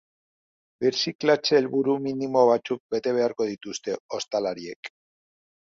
Birziklatze helburu minimo batzuk bete beharko dituzte ostalariek.